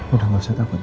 udah gak usah takut